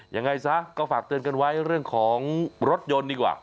ยังไงซะก็ฝากเตือนกันไว้เรื่องของรถยนต์ดีกว่า